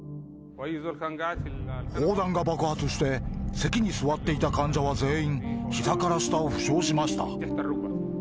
砲弾が爆発して、席に座っていた患者は全員、ひざから下を負傷しました。